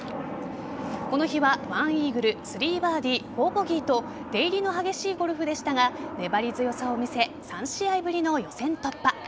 この日は１イーグル３バーディー４ボギーと出入りの激しいゴルフでしたが粘り強さを見せ３試合ぶりの予選突破。